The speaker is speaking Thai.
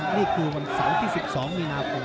นี่คือวันเสาร์ที่๑๒มีนาคม